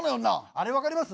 あれ分かります？